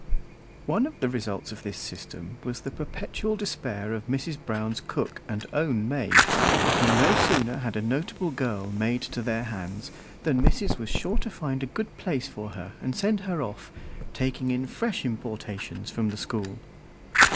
One of the results of this system was the perpetual despair of Mrs. Brown's cook and own maid, who no sooner had a notable girl made to their hands than missus was sure to find a good place for her and send her off, taking in fresh importations from the school.